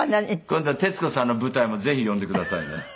今度は徹子さんの舞台もぜひ呼んでくださいね。